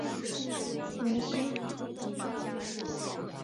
龟城南门位于朝鲜民主主义人民共和国的平安北道龟城市的龟州城。